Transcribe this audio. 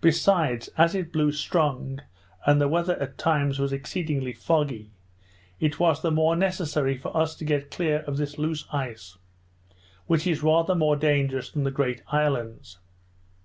Besides, as it blew strong, and the weather at times was exceedingly foggy, it was the more necessary for us to get clear of this loose ice, which is rather more dangerous than the great islands.